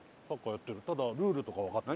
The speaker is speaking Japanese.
ただルールとかわかってない。